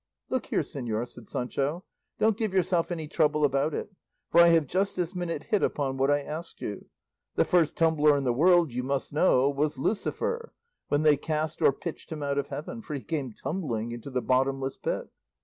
"Look here, señor," said Sancho, "don't give yourself any trouble about it, for I have just this minute hit upon what I asked you. The first tumbler in the world, you must know, was Lucifer, when they cast or pitched him out of heaven; for he came tumbling into the bottomless pit."